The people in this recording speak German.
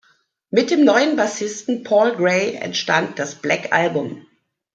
Mit dem neuen Bassisten Paul Gray entstand das "Black Album".